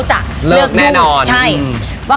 ฮ่าาาาา